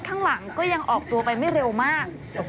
ข้างหลังก็ยังออกตัวไปไม่เร็วมาก